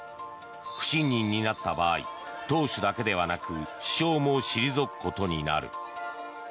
不信任になった場合党首だけではなく首相も退くことになる。